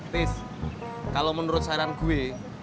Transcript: tis kalau menurut saran gue